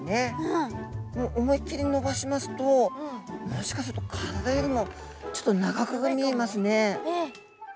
思いっきり伸ばしますともしかすると体よりもちょっと長く見えますね。